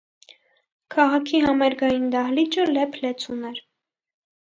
Քաղաքի համերգային դահլիճը լեփլեցուն էր։